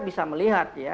bisa melihat ya